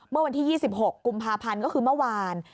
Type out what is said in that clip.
เมื่อวันที่๒๖กุมภาพันธ์ก็คือเมื่อวาน